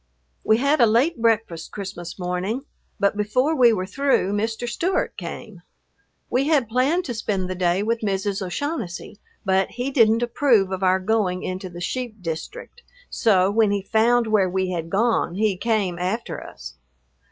We had a late breakfast Christmas morning, but before we were through Mr. Stewart came. We had planned to spend the day with Mrs. O'Shaughnessy, but he didn't approve of our going into the sheep district, so when he found where we had gone he came after us.